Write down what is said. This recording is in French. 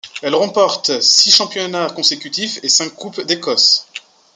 Il remporte six championnats consécutifs et cinq coupes d'Écosse.